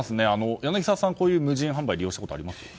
柳澤さんは無人販売利用したことありますか？